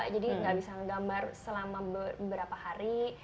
jadi nggak bisa menggambar selama beberapa hari